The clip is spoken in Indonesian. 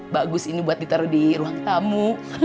bagus ini buat ditaruh di ruang tamu